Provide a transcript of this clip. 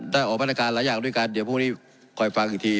ได้ออกบรรยาการหลายอย่างด้วยกันเดี๋ยวพวกนี้คอยฟังอีกที